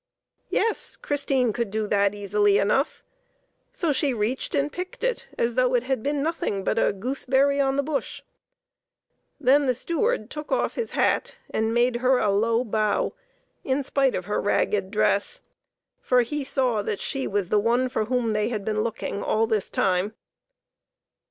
Yes; Christine could do that easily enough. So she reached and picked it as though it had been nothing but a gooseberry on the bush. Then the steward took off his hat and made her a low bow in spite of her ragged dress, for he saw that she was the one for whom they had been looking all this time.